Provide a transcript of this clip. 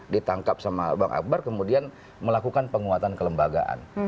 ditangkap sama bang akbar kemudian melakukan penguatan kelembagaan